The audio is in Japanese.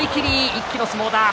一気の相撲だ